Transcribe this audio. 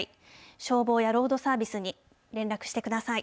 消防やロードサービスに連絡してください。